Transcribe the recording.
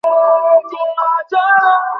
তাই বাংলাদেশের প্রতি আমার আলাদা টান কাজ করে।